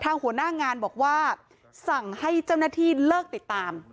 หัวหน้างานบอกว่าสั่งให้เจ้าหน้าที่เลิกติดตาม